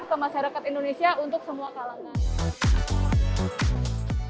ke masyarakat indonesia untuk semua kalangan